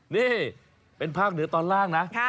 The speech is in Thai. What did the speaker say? นี่เป็นภาคเหนือตอนล่างนะ